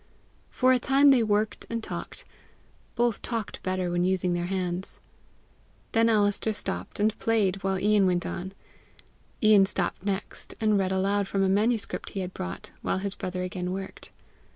For a time they worked and talked: both talked better when using their hands. Then Alister stopped, and played while Ian went on; Ian stopped next, and read aloud from a manuscript he had brought, while his brother again worked.